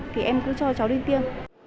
thì em cứ cho cháu đi tiêm